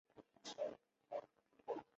还有一般地铁票